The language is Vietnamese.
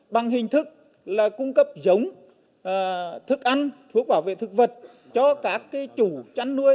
bằng hình thức là cung cấp giống thức ăn thuốc bảo vệ thực vật cho các chủ chăn nuôi